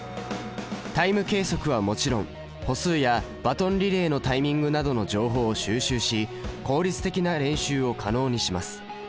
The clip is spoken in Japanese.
タイム計測はもちろん歩数やバトンリレーのタイミングなどの情報を収集し効率的な練習を可能にします。